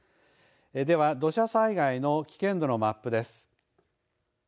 では土砂災害の危険度のマップです。